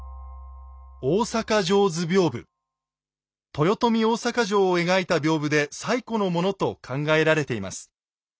豊臣大坂城を描いた屏風で最古のものと考えられています。